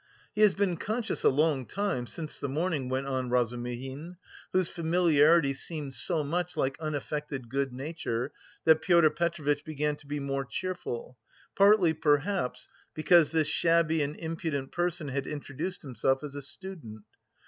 "He has been conscious a long time, since the morning," went on Razumihin, whose familiarity seemed so much like unaffected good nature that Pyotr Petrovitch began to be more cheerful, partly, perhaps, because this shabby and impudent person had introduced himself as a student.